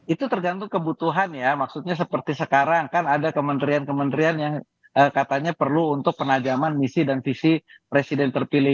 itu tergantung kebutuhan ya maksudnya seperti sekarang kan ada kementerian kementerian yang katanya perlu untuk penajaman misi dan visi presiden terpilih